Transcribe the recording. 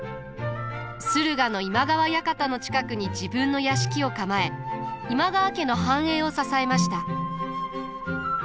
駿河の今川館の近くに自分の屋敷を構え今川家の繁栄を支えました。